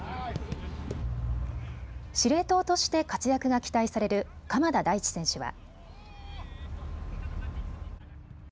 司令塔として活躍が期待される鎌田大地選手は。